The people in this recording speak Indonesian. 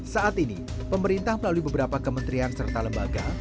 saat ini pemerintah melalui beberapa kementerian serta lembaga